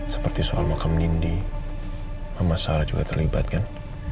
berarti soal makam nindi mama sarah juga terlibat kan